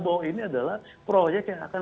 bahwa ini adalah proyek yang akan